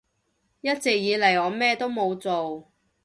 一直以嚟我咩都冇做